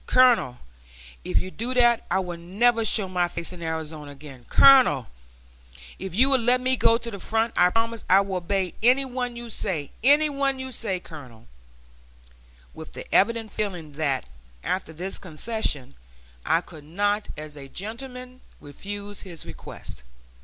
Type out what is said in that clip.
Colonel, if you do that, I will never show my face in Arizona again. Colonel, if you will let me go to the front, I promise I will obey any one you say; any one you say, Colonel," with the evident feeling that, after this concession, I could not, as a gentleman, refuse his request.